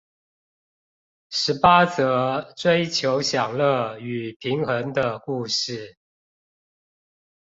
十八則追求享樂與平衡的故事